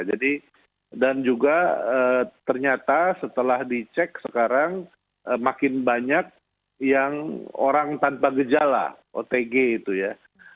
jadi dan juga ternyata setelah dicek sekarang makin banyak yang orang tanpa gejala otg itu ya